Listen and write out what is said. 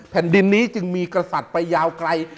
แผ่นดินนี้จึงมีกษัตริย์ไปยาวไกล